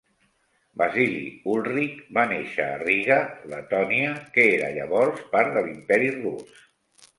Vasili Ulrikh va néixer a Riga, Letònia, que era llavors part de l'Imperi Rus.